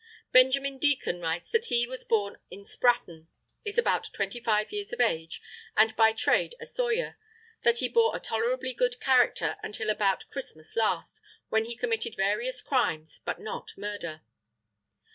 Benjamin Deacon writes that he was born at Spratton, is about twenty five years of age, and by trade a sawyer; that he bore a tolerably good character until about Christmas last, when he committed various crimes, but not murder.